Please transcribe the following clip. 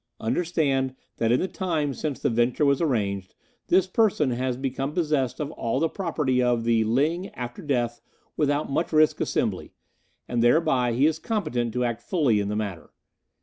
Understand that in the time since the venture was arranged this person has become possessed of all the property of 'The Ling (After Death) Without Much Risk Assembly,' and thereby he is competent to act fully in the matter.